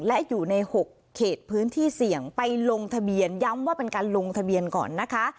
และอยู่ใน๖เขตพื้นที่เสี่ยงไปลงทะเบียนย้ำว่าเป็นการลงทะเบียนก่อนนะคะ